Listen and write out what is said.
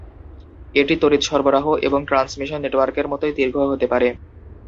এটি তড়িৎ সরবরাহ এবং ট্রান্সমিশন নেটওয়ার্কের মতই দীর্ঘ হতে পারে।